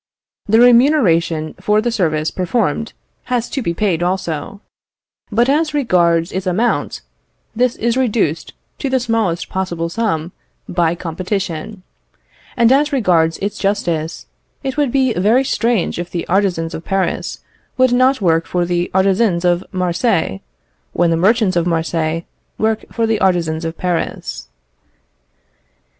The remuneration for the service performed has to be paid also; but as regards its amount, this is reduced to the smallest possible sum by competition; and as regards its justice, it would be very strange if the artizans of Paris would not work for the artizans of Marseilles, when the merchants of Marseilles work for the artizans of Paris.